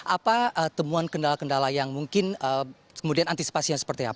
apa temuan kendala kendala yang mungkin kemudian antisipasinya seperti apa